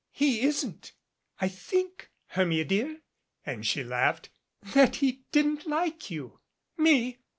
He isn't. I think, Hermia, dear," and she laughed, "that he didn't like you." "Me!